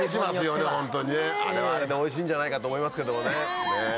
あれはあれでおいしいんじゃないかと思いますけどもね。